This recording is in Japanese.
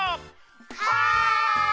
はい！